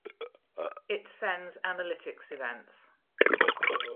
it sends analytics events